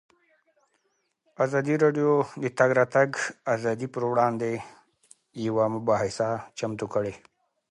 ازادي راډیو د د تګ راتګ ازادي پر وړاندې یوه مباحثه چمتو کړې.